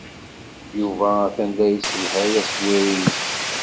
Yuba atan la yesselhay aswir-nnes.